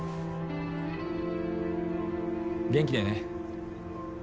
元気でね。